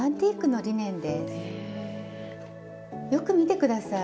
よく見て下さい。